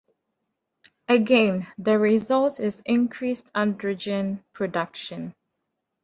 Again, the result is increased androgen production.